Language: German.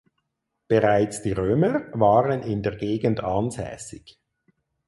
Bereits die Römer waren in der Gegend ansässig.